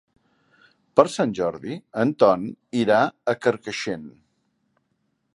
Per Sant Jordi en Ton irà a Carcaixent.